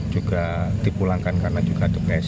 juga dipulangkan karena juga tugas